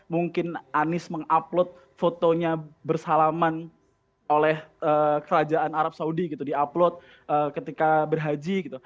mungkin anies mengupload fotonya bersalaman oleh kerajaan arab saudi gitu di upload ketika berhaji gitu